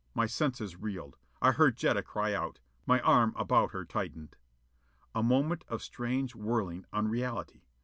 My senses reeled. I heard Jetta cry out. My arm about her tightened. A moment of strange whirling unreality.